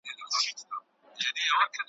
څوک چي چړیانو ملایانو ته جامې ورکوي ,